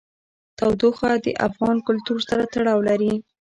تودوخه د افغان کلتور سره تړاو لري.